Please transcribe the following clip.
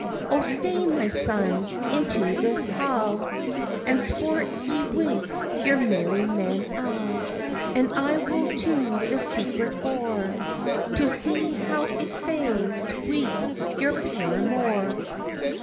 "O stay, my son, into this ha', And sport ye wi' your merry men a'; And I will to the secret bour, To see how it fares wi' your paramour."